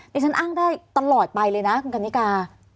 ดิฉันอ้างได้ตลอดไปเลยนะคุณกันนิกา